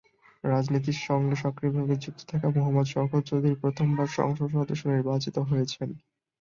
রাজনীতির সঙ্গে সক্রিয় ভাবে যুক্ত থাকা মোহাম্মদ শওকত চৌধুরী প্রথমবার সংসদ সদস্য নির্বাচিত হয়েছেন।